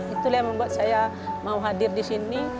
itulah yang membuat saya mau hadir di sini